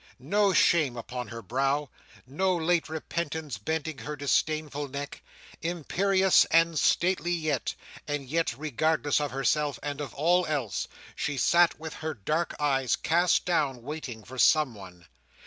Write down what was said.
No shame upon her brow; no late repentance bending her disdainful neck. Imperious and stately yet, and yet regardless of herself and of all else, she sat with her dark eyes cast down, waiting for someone.